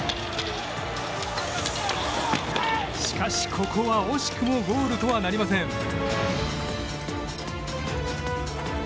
しかし、ここは惜しくもゴールとはなりません。